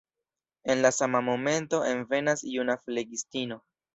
En la sama momento envenas juna flegistino.